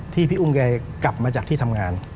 พี่อุ้มแกกลับมาจากที่ทำงาน